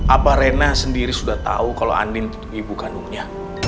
apa rena sendiri sudah tahu kalau andin ibu kandungnya